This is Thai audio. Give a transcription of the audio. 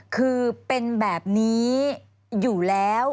คือเป็นแบบนี้อยู่แล้ว